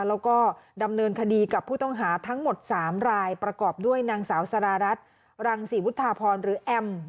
แล้วก็ดำเนินคดีกับผู้ต้องหาทั้งหมด๓รายประกอบด้วยนางสาวสารารัฐรังศรีวุฒาพรหรือแอม